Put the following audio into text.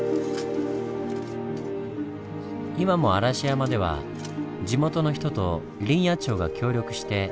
今も嵐山では地元の人と林野庁が協力して